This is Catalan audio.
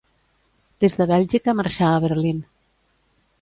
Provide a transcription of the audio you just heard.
Des de Bèlgica, marxà a Berlín.